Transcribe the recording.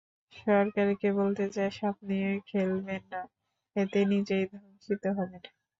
সরকারকে বলতে চাই, সাপ নিয়ে খেলবেন না, এতে নিজেই দংশিত হবেন।